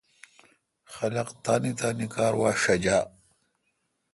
خلق تانی تانی کار وا ݭجا۔